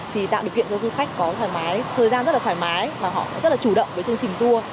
thì tạo điều kiện cho du khách có thời gian rất thoải mái và họ rất chủ động với chương trình tour